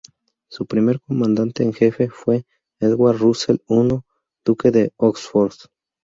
Su primer comandante en jefe fue Edward Russell I duque de Oxford.